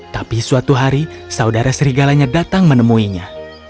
tapi suatu hari saudara serigalanya datang menemuinya